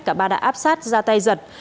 cả ba đã áp sát ra tay giật